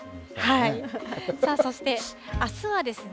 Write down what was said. さあ、そしてあすはですね。